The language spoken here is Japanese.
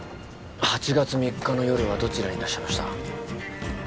８月３日の夜はどちらにいらっしゃいました？